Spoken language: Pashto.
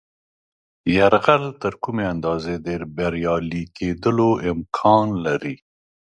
یرغل تر کومې اندازې د بریالي کېدلو امکان لري.